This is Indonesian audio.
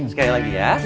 sekali lagi ya